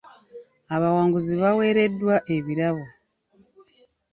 Abawanguzi baawereddwa ebirabo.